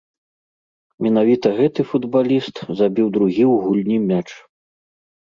Менавіта гэты футбаліст забіў другі ў гульні мяч.